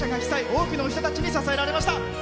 多くの人たちに支えられました。